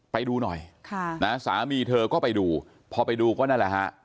ไปดูหน่อยสามีเธอก็ไปดูพอไปดูก็นั่นแหละฮะ